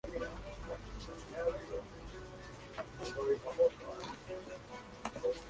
Es el actual Presidente de la Asociación Peruana de Derecho Constitucional.